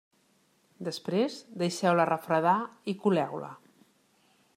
Després deixeu-la refredar i coleu-la.